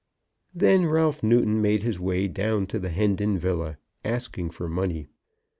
Then Ralph Newton made his way down to the Hendon villa, asking for money.